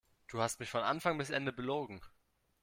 Du hast mich von Anfang bis Ende belogen.